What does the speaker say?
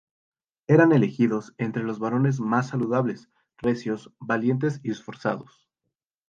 Eran elegidos entre los varones más saludables, recios, valientes y esforzados.